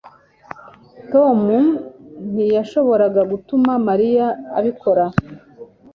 tom ntiyashoboraga gutuma mariya abikora